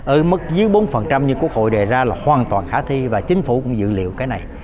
ở mức dưới bốn như quốc hội đề ra là hoàn toàn khả thi và chính phủ cũng dự liệu cái này